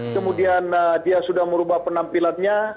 kemudian dia sudah merubah penampilannya